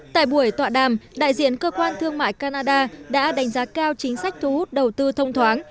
tại buổi tọa đàm đại diện cơ quan thương mại canada đã đánh giá cao chính sách thu hút đầu tư thông thoáng